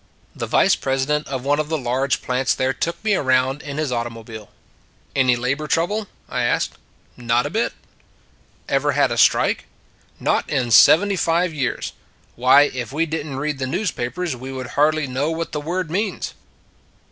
The vice president of one of the large plants there took me around in his auto mobile. " Any labor trouble? " I asked. " Not a bit." " Ever had a strike? "" Not in seventy five years. Why, if we did n t read the newspapers, we would hardly know what the word means."